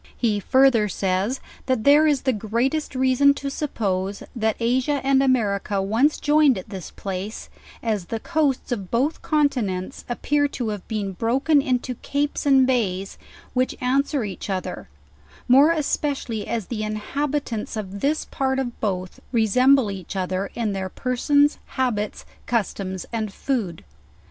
He further says, that there is the greatest reason to suppose, that Asia and America once joined' at this place, as the coasts of both continents appear to have been broken into capes and bays, which answer each other: more especially as the inhabitants of' this part of Loth resemble each other in their persons, habit?, customs and food.